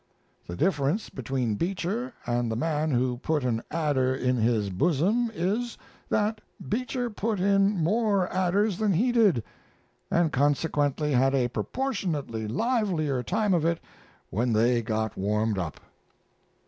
The difference between Beecher and the man who put an adder in his bosom is, that Beecher put in more adders than he did, and consequently had a proportionately livelier time of it when they got warmed up.)